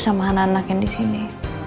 sama anak anak yang disini